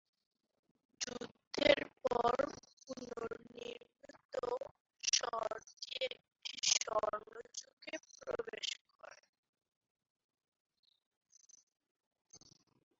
যুদ্ধের পরে পুনর্নির্মিত, শহরটি একটি "স্বর্ণযুগে" প্রবেশ করে।